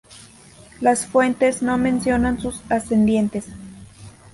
Las fuentes no mencionan sus ascendientes.